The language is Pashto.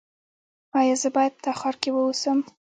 ایا زه باید په تخار کې اوسم؟